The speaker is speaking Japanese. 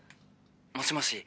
もしもし。